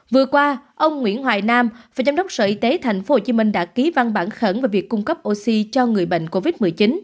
vừa qua ông nguyễn hoài nam phó giám đốc sở y tế tp hcm đã ký văn bản khẩn về việc cung cấp oxy cho người bệnh covid một mươi chín